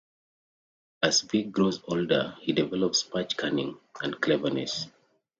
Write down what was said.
As Vic grows older, he develops much cunning and cleverness.